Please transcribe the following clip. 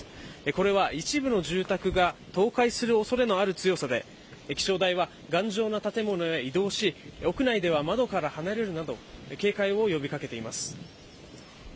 これは一部の住宅が倒壊する恐れのある強さで気象台は頑丈な建物へ移動し屋内では窓から離れるなど警戒を呼び掛けています。